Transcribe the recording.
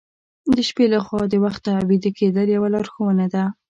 د شپې له خوا د وخته ویده کیدل یو لارښوونه ده.